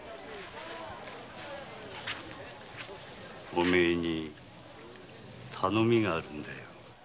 お前に頼みがあるんだよ。